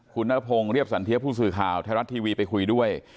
คุณนรพงศ์เรียบสันเทียผู้สื่อข่าวไทยรัฐทีวีไปคุยด้วย